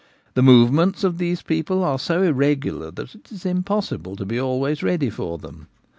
The movements of these people are so irregular that it is impossible to be always ready for them.